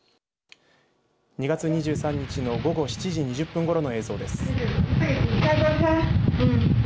２月２３日の午後７時２０分ごろの映像です。